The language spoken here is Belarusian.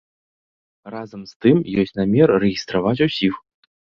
Разам з тым ёсць намер рэгістраваць усіх.